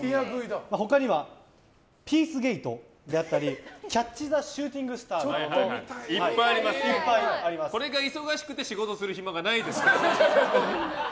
他にはＰＥＡＣＥＧＡＴＥであったりキャッチ・ザ・シューティングスターなどこれが忙しくて仕事する暇がないですから。